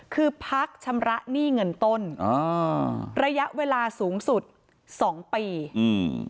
คือพักชำระหนี้เงินต้นอ่าระยะเวลาสูงสุดสองปีอืม